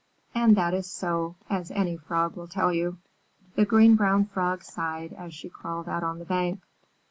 And that is so, as any Frog will tell you. The Green Brown Frog sighed as she crawled out on the bank.